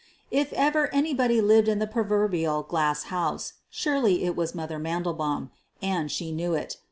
If ever anybody lived in the proverbial "glass house," surely it was "Mother" Mandelbaum — and she knew it.